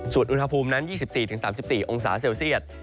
ส่วนอุณหภูมินั้น๒๔๓๔องศาเซลเซียต